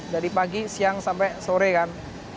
dari pagi siang sampai sore kan